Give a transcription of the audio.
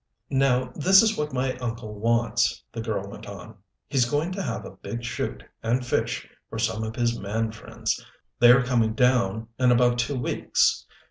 "Now this is what my uncle wants," the girl went on. "He's going to have a big shoot and fish for some of his man friends they are coming down in about two weeks.